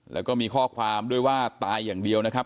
แล้วก็มีข้อความด้วยว่าตายอย่างเดียวนะครับ